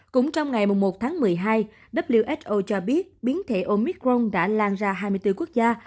cũng trong ngày một tháng một mươi hai who cho biết biến thể omicron đã lan ra hai mươi bốn quốc gia